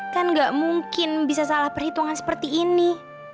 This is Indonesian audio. kan gak mungkin bisa salah perhitungan seperti ini